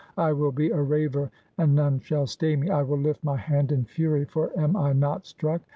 I will be a raver, and none shall stay me! I will lift my hand in fury, for am I not struck?